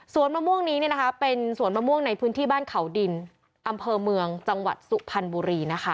มะม่วงนี้เป็นสวนมะม่วงในพื้นที่บ้านเขาดินอำเภอเมืองจังหวัดสุพรรณบุรีนะคะ